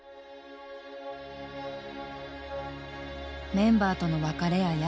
メンバーとの別れや病。